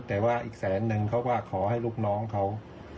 แต่ว่าอีกแสนนึงเขาก็ขอให้ลูกน้องเขา